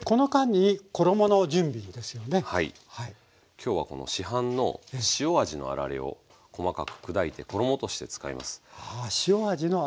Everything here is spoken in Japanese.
今日はこの市販の塩味のあられを細かく砕いて衣として使います。